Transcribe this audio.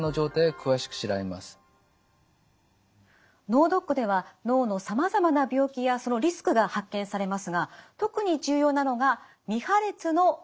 脳ドックでは脳のさまざまな病気やそのリスクが発見されますが特に重要なのが未破裂の脳動脈瘤です。